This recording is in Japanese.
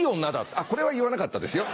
あっこれは言わなかったですよ。